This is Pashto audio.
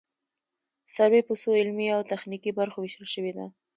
سروې په څو علمي او تخنیکي برخو ویشل شوې ده